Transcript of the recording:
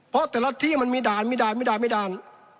เพราะแต่ละที่มันมีด่านมีด่านมีด่านมีด่าน